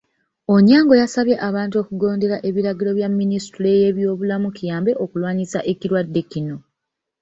Onyango yasabye abantu okugondera ebiragiro bya Minisitule y'ebyobulamu kiyambe okulwanyisa ekirwadde kino.